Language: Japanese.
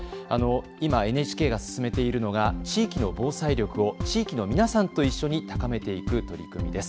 今、ＮＨＫが進めているのが地域の防災力を地域の皆さんと一緒に高めていく取り組みです。